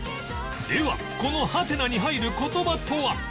ではこのハテナに入る言葉とは？